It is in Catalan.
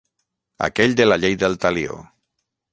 Aquell de la llei del Talió.